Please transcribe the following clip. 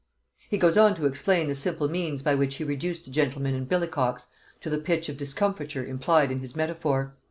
He goes on to explain the simple means by which he reduced the gentlemen in billycocks to the pitch of discomfiture implied in his metaphor.